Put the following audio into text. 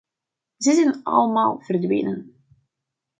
Ze zijn allemaal verdwenen.